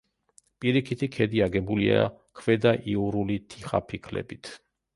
პირიქითი ქედი აგებულია ქვედაიურული თიხაფიქლებით.